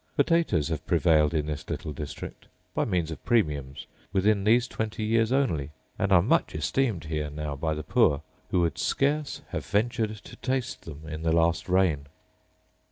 Potatoes have prevailed in this little district, by means of premiums, within these twenty years only; and are much esteemed here now by the poor, who would scarce have ventured to taste them in the last reign.